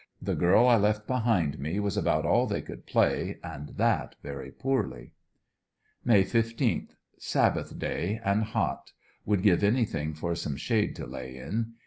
"The Girl I Left Behind Me," was about all they could play, and that very poorly. May 15. — Sabbath day and hot. Would give anything for some shade to lay in.